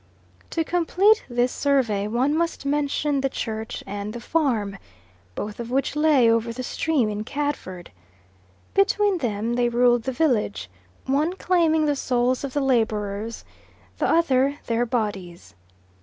To complete this survey one must mention the church and the farm, both of which lay over the stream in Cadford. Between them they ruled the village, one claiming the souls of the labourers, the other their bodies.